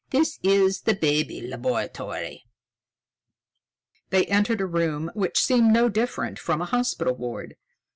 This is the Baby Laboratory." They entered a room which seemed no different from a hospital ward.